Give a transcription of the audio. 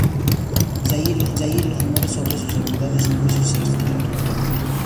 Desde ahí, los rumores sobre sus habilidades y negocios se extendieron rápidamente.